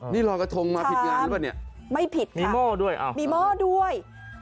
นี่รอยกระทงมาผิดงานหรือเปล่าเนี่ยไม่ผิดมีหม้อด้วยมีหม้อด้วย